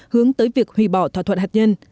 hướng tới việc hủy bỏ thỏa thuận hạt nhân